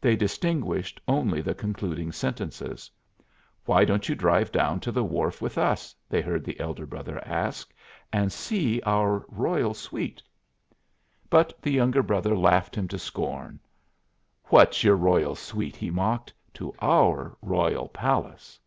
They distinguished only the concluding sentences: "Why don't you drive down to the wharf with us," they heard the elder brother ask, "and see our royal suite?" But the younger brother laughed him to scorn. "What's your royal suite," he mocked, "to our royal palace?"